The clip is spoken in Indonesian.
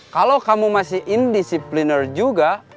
kalau kamu masih indisipliner juga